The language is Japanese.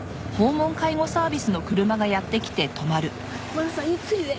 真奈美さんゆっくりね。